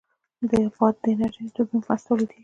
د باد انرژي د توربین په مرسته تولیدېږي.